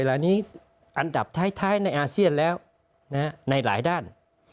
เหล่านี้อันดับท้ายในอาเซียนแล้วในหลายด้าน